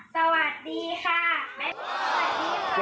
สวัสดีค่ะ